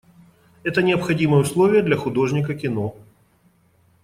Это необходимое условие для художника кино.